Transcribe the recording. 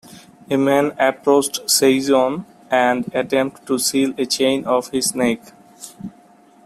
A man approached Saigon and attempted to steal a chain off his neck.